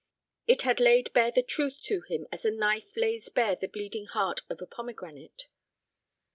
It had laid bare the truth to him as a knife lays bare the bleeding heart of a pomegranate.